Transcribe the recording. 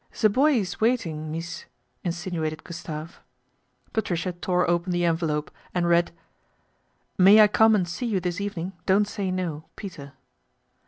" The boy ees waiting, mees," insinuated Gus tave. Patricia tore open the envelope and read :" May I come and see you this evening dont say no peter."